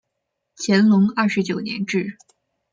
乾隆二十九年置。